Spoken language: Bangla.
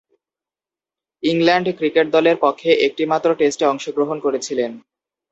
ইংল্যান্ড ক্রিকেট দলের পক্ষে একটিমাত্র টেস্টে অংশগ্রহণ করেছিলেন।